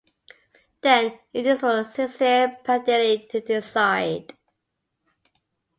Then it is for Cesare Prandelli to decide.